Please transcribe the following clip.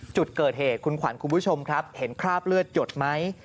จุดเกิดเหตุคุณขวัญคุณผู้ชมครับเห็นคราบเลือดหยดไหม